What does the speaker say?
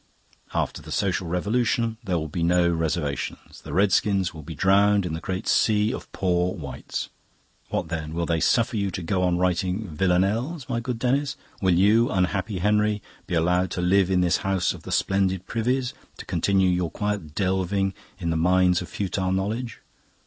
After the social revolution there will be no Reservations; the Redskins will be drowned in the great sea of Poor Whites. What then? Will they suffer you to go on writing villanelles, my good Denis? Will you, unhappy Henry, be allowed to live in this house of the splendid privies, to continue your quiet delving in the mines of futile knowledge?